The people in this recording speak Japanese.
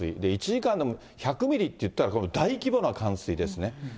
１時間でも１００ミリっていったら、大規模な冠水ですね。